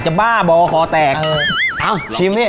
จะบ้าบอกว่าคอแตกเออเอาชิมนี่